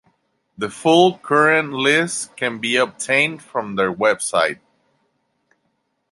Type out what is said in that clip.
The full current list can be obtained from their website.